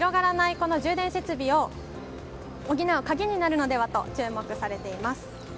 この充電設備を補う鍵になるのではと注目されています。